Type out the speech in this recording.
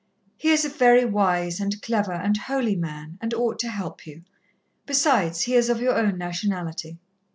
He is a very wise and clever and holy man, and ought to help you. Besides, he is of your own nationality."